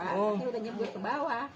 pak itu sudah nyebur ke bawah